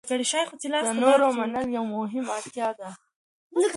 د نورو منل یوه مهمه اړتیا ده.